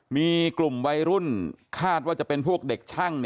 มีกลุ่มวัยรุ่นคาดว่าจะเป็นพวกเด็กช่าง